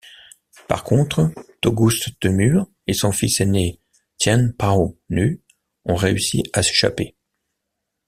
Par contre, Togustemur et son fils aîné T'ien-pao-nu ont réussi à s'échapper.